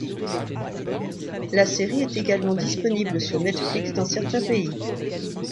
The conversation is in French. La série est également disponible sur Netflix dans certains pays.